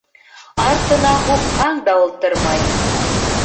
Артына һуҡһаң да ултырмай.